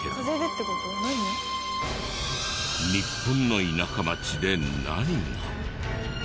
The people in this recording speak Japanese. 日本の田舎町で何が？